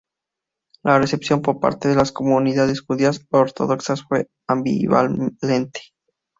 La recepción por parte de las comunidades judías ortodoxas fue ambivalente.